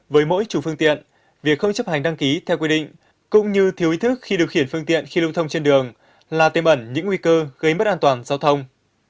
với mỗi chủ phương tiện việc không chấp hành đăng ký theo quy định cũng như thiếu ý thức khi điều khiển phương tiện khi lưu thông trên đường là tiêm ẩn những nguy cơ gây mất an toàn giao thông